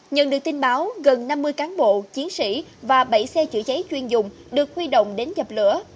nhận được tin báo gần năm mươi cán bộ chiến sĩ và bảy xe chữa cháy chuyên dụng được huy động đến dập lửa